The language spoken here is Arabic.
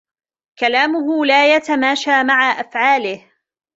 كلامه لا يتماشى مع أفعاله.